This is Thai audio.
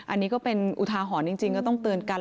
อันนี้ก็เป็นอุทาหรณ์จริงก็ต้องเตือนกัน